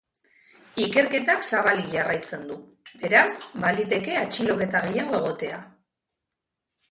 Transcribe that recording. Ikerketak zabalik jarraitzen du, beraz, baliteke atxiloketa gehiago egotea.